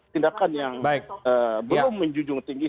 tindakan yang belum menjunjung tinggi